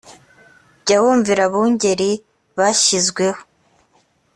jya wumvira abungeri bashyizweho